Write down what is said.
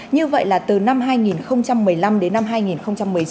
như vậy là từ năm hai nghìn một mươi năm đến năm hai nghìn một mươi chín